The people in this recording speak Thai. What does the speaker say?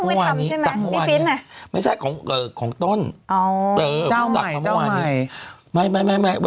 เพราะตาไฟคือเห็นคุณแม่เพิ่งไม่ทำใช่ไหม